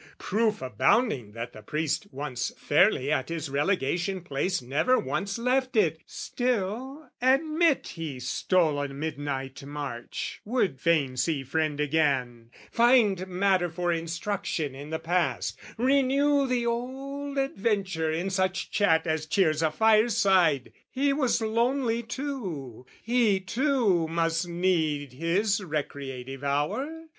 proof abounding that the priest, Once fairly at his relegation place Never once left it still, admit he stole A midnight march, would fain see friend again, Find matter for instruction in the past, Renew the old adventure in such chat As cheers a fireside! He was lonely too, He, too, must need his recreative hour.